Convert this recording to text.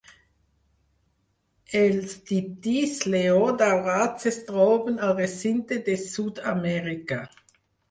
Els titís lleó daurats es troben al recinte de Sud-amèrica.